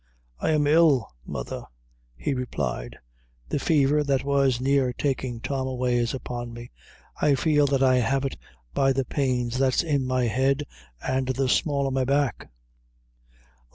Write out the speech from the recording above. "I am ill, mother," he replied "the fever that was near taking Tom away, is upon me; I feel that I have it by the pains that's in my head and the small o' my back."